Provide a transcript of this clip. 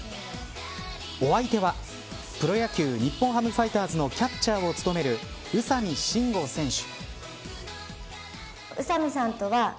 お相手はプロ野球日本ハムファイターズのキャッチャーを務める宇佐見真吾選手。